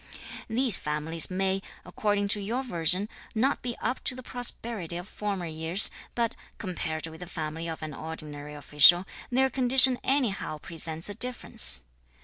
(These families) may, according to your version, not be up to the prosperity of former years, but, compared with the family of an ordinary official, their condition anyhow presents a difference.